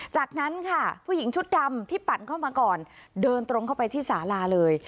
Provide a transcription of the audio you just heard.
จากนั้นค่ะผู้หญิงชุดดำที่ปั่นเข้ามาก่อนเดินตรงเข้าไปที่สาลาเลย